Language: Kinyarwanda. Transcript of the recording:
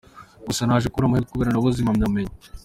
Gusa naje kubura amahirwe kubera nabuze impamyabumenyi.